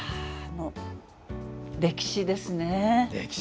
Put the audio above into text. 歴史ですね。